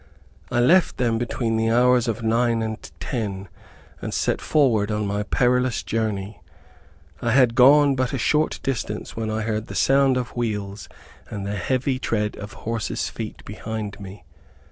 I left them between the hours of nine and ten, and set forward on my perilous journey. I had gone but a short distance when I heard the sound of wheels and the heavy tread of horses' feet behind me.